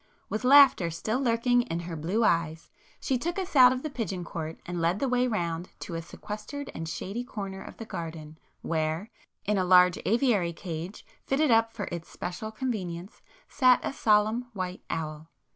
With laughter still lurking in her blue eyes, she took us out of the pigeon court, and led the way round to a sequestered and shady corner of the garden, where, in a large aviary cage fitted up for its special convenience, sat a solemn white owl.